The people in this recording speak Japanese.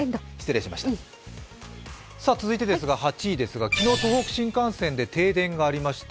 続きまして８位ですが、東北新幹線で停電がありました。